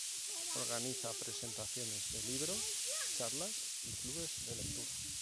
Organiza presentaciones de libros, charlas y clubes de lectura.